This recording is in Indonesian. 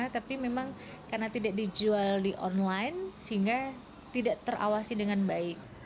tapi memang karena tidak dijual di online sehingga tidak terawasi dengan baik